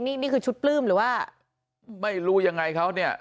นี่นี่คือชุดปลื้มหรือว่าไม่รู้ยังไงเขาเนี่ย